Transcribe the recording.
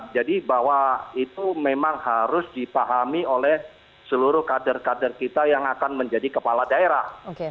jadi bahwa itu memang harus dipahami oleh seluruh kader kader kita yang akan menjadi kepala daerah